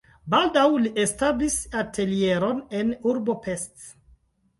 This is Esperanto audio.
Baldaŭ li establis atelieron en urbo Pest.